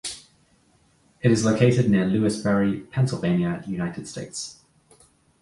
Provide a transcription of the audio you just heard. It is located near Lewisberry, Pennsylvania, United States.